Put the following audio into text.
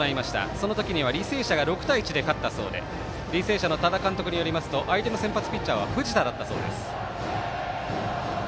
そのときには履正社が６対１で勝ったそうで履正社の多田監督によりますと相手の先発ピッチャーは藤田だったそうです。